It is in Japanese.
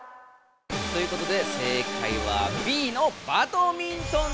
ということで正解はＢのバドミントンでした。